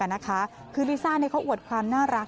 อะนะคะคือลิซ่านี่เขาอวดความน่ารัก